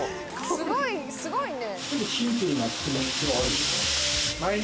すごいね。